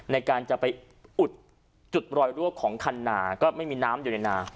ในการจะไปอุดจุดรอยรั่วของคันนาก็ไม่มีน้ำอยู่ในนา